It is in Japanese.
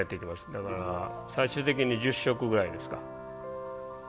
だから最終的に１０色ぐらいですか。